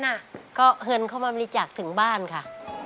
ก็เงินเข้ามาบริจาคถึงบ้านค่ะ